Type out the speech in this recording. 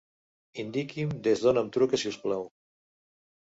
Indiqui'm des d'on em truca si us plau.